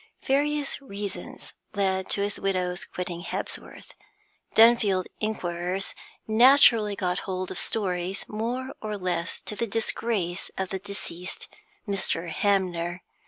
Various reasons led to his widow's quitting Hebsworth; Dunfield inquirers naturally got hold of stories more or less to the disgrace of the deceased Mr. Hanmer.